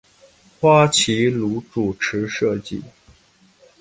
花琦如主持设计。